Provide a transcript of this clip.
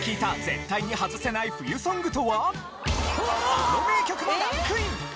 あの名曲もランクイン！